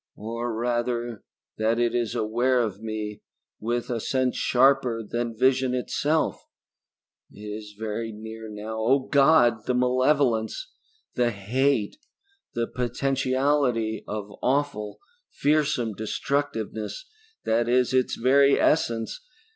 Or rather that it is aware of me with a sense sharper than vision itself. It is very near now. Oh God, the malevolence, the hate the potentiality of awful, fearsome destructiveness that is its very essence!